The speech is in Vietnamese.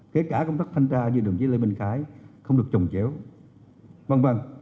kể cả công tác phanh tra như đồng chí lê minh khả